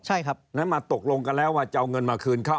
แล้วมาตกลงกันแล้วว่าจะเอาเงินมาคืนเขา